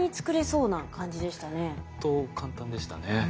ほんと簡単でしたね。